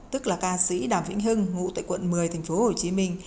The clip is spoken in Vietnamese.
tức là ca sĩ đàm vĩnh hưng ngụ tại quận một mươi tp hcm